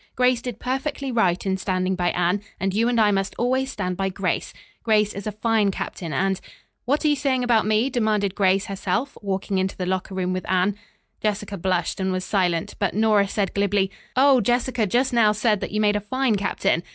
Grace did perfectly right in standing by Anne, and you and I must always stand by Grace. Grace is a fine captain, and " "What are you saying about me?" demanded Grace herself, walking into the locker room with Anne. Jessica blushed and was silent, but Nora said glibly, "Oh, Jessica just now said that you made a fine captain."